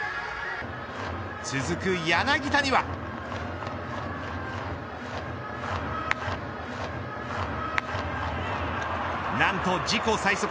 続く柳田にはなんと自己最速